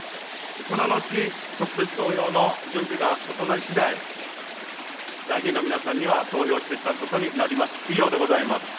この後、直接投票の準備が整い次第、議員の皆様には投票していただくことになります。